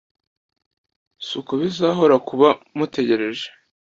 Suko bizahora kuba mutegereje